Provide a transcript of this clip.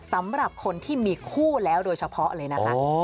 สำหรับคนที่มีคู่แล้วโดยเฉพาะเลยนะคะ